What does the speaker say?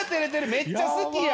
めっちゃ好きやんか。